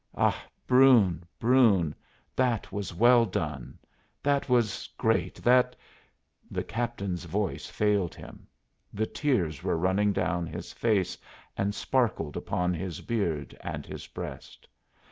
Ah, Brune, Brune, that was well done that was great that " The captain's voice failed him; the tears were running down his face and sparkled upon his beard and his breast.